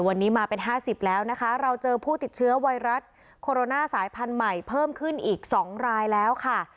วันนี้มาเป็น๕๐แล้วนะคะเราเจอผู้ติดเชื้อไวรัสโคโรนาสายพันธุ์ใหม่เพิ่มขึ้นอีก๒รายแล้วค่ะ